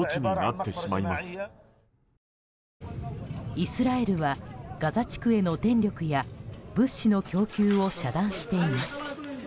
イスラエルはガザ地区への電力や物資の供給を遮断しています。